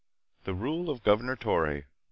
The Rule of Governor Torre.